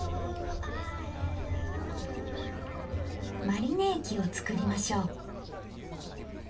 マリネ液を作りましょう。